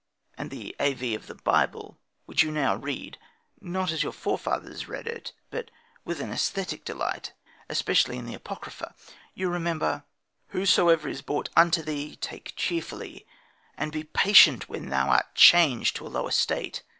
And the A.V. of the Bible, which you now read, not as your forefathers read it, but with an æsthetic delight, especially in the Apocrypha! You remember: Whatsoever is brought upon thee, take cheerfully, and be patient when thou art changed to a low estate.